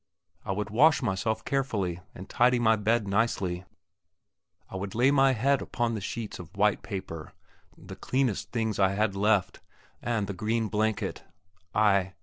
I would wash myself carefully and tidy my bed nicely. I would lay my head upon the sheets of white paper, the cleanest things I had left, and the green blanket. I